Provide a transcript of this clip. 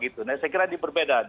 saya kira ini berbeda